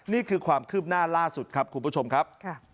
นี่คือความคืบหน้าล่าสุดครับคุณผู้ชมครับ